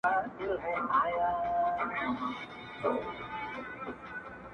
• زما پر تا باندي اوس لس زره روپۍ دي -